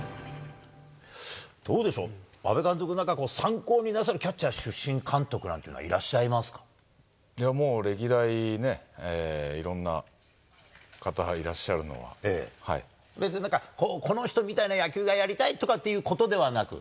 どうでしょう、阿部監督、なんか参考になさるキャッチャー出身監督なんていうのはいらっしもう歴代いろんな方、いらっ別になんか、この人みたいな野球がやりたいなんてことではなく？